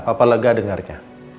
papa lega dengarnya